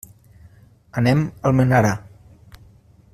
Anem a Almenara.